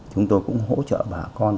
chúng tôi cũng hỗ trợ bà con